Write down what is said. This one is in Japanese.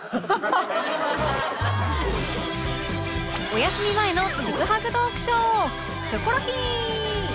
お休み前のチグハグトークショー